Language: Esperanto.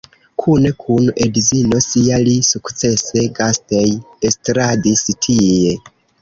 Kune kun edzino sia li sukcese gastej-estradis tie.